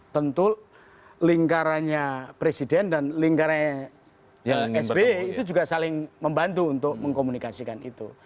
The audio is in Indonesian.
tentu lingkarannya presiden dan lingkarannya sby itu juga saling membantu untuk mengkomunikasikan itu